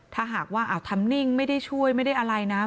ถ้าหากว่าทำนิ่งไม่ได้ช่วยไม่ได้อะไรนะ